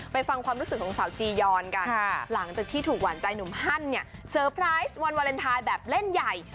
ฟังความรู้สึกของสาวจียอนกันหลังจากที่ถูกหวานใจหนุ่มฮั่นเนี่ยเซอร์ไพรส์วันวาเลนไทยแบบเล่นใหญ่